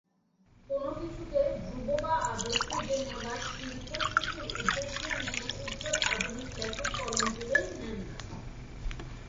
কোন কিছুকে ধ্রুব বা আদর্শ জেনে বা শিল্প সৃষ্টির উদ্দেশ্য নিয়ে উত্তর-আধুনিক লেখক কলম তুলে নেন না।